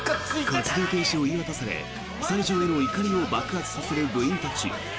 活動停止を言い渡され西条への怒りを爆発させる部員たち。